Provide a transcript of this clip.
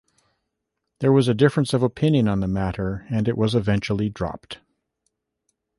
There was a difference of opinion on the matter and it was eventually dropped.